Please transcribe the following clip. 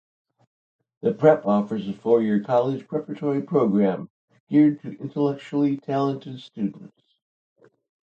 The Prep offers a four-year college preparatory program geared to intellectually talented students.